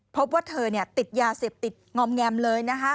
พบว่าเธอติดยาเสพติดงอมแงมเลยนะคะ